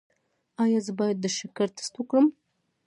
ایا زه باید د شکر ټسټ وکړم؟